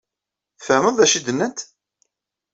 Tfehmeḍ d acu i d-nnant?